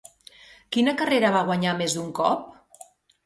Quina carrera va guanyar més d'un cop?